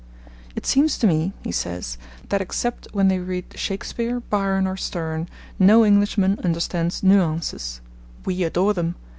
'It seems to me,' he says, 'that except when they read Shakespeare, Byron, or Sterne, no Englishman understands "nuances"; we adore them.